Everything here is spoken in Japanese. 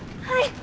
はい！